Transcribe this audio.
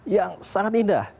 yang sangat indah